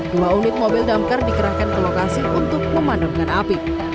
dua unit mobil damkar dikerahkan ke lokasi untuk memadamkan api